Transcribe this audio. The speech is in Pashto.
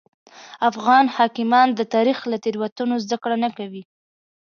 افغان حاکمان د تاریخ له تېروتنو زده کړه نه کوي.